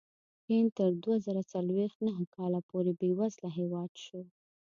چین تر دوه زره څلوېښت نهه کاله پورې بېوزله هېواد شو.